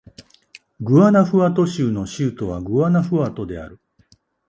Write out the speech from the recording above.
グアナフアト州の州都はグアナフアトである